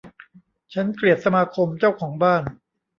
ฉันเกลียดสมาคมเจ้าของบ้าน